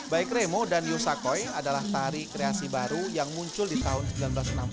baik remo dan yusakoi adalah tari kreasi baru yang muncul di tahun seribu sembilan ratus enam puluh